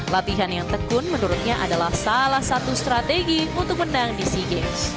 latihan yang tekun menurutnya adalah salah satu strategi untuk menang di sea games